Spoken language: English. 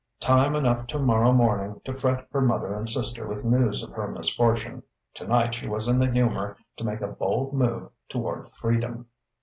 Time enough tomorrow morning to fret her mother and sister with news of her misfortune: tonight she was in the humour to make a bold move toward freedom....